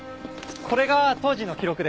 これが当時の記録です。